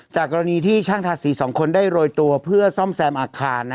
กรณีที่ช่างทาสี๒คนได้โรยตัวเพื่อซ่อมแซมอาคาร